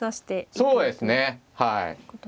そうですねはい。